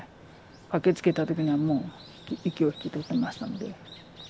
駆けつけた時にはもう息を引き取ってましたので。